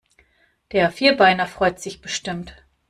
Der Vierbeiner freut sich bestimmt.